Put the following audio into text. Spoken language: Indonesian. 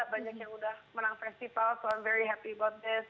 banyak yang sudah menang festival so i'm very happy about this